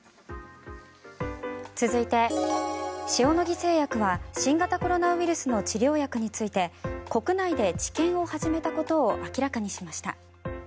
続いて、塩野義製薬は新型コロナウイルスの治療薬について国内で治験を始めたことを明らかにしました。